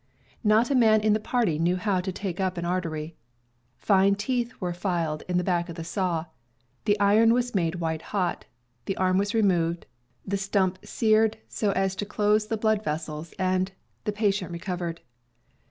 Not a man in the party knew how to take up an artery. Fine teeth were filed in the back of the saw, the iron was made white hot, the arm was removed, the stump seared so as to close the blood vessels, and — the patient re covered.